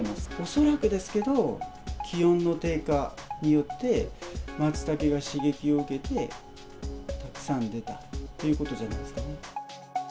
恐らくですけど、気温の低下によって、マツタケが刺激を受けて、たくさん出たということじゃないですかね。